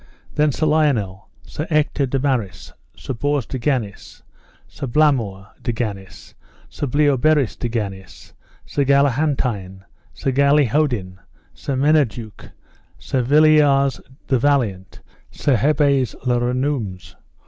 Then Sir Lionel, Sir Ector de Maris, Sir Bors de Ganis, Sir Blamore de Ganis, Sir Bleoberis de Ganis, Sir Gahalantine, Sir Galihodin, Sir Menaduke, Sir Villiars the Valiant, Sir Hebes le Renoumes.